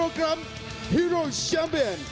ปะเทะน้ำเครือ